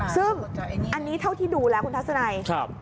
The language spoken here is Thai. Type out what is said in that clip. ซึ่งอันนี้เท่าที่ดูแล้วคุณทัศนัย